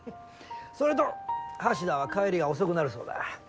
それと橋田は帰りが遅くなるそうだ。